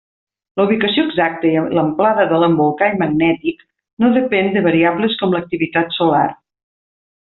La ubicació exacta i l'amplada de l'embolcall magnètic no depèn de variables com l'activitat solar.